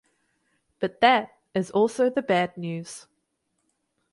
But that is also the bad news.